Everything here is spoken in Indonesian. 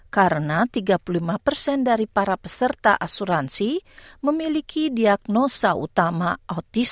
karena tiga puluh lima persen dari para peserta asuransi memiliki diagnosa utama otomatis